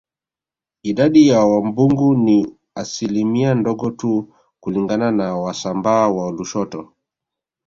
Idadi ya Wambugu ni asilimia ndogo tu kulingana na Wasambaa wa Lushoto